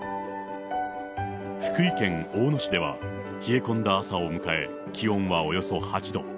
福井県大野市では、冷え込んだ朝を迎え、気温はおよそ８度。